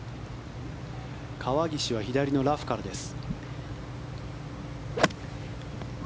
川岸は左のラフからです。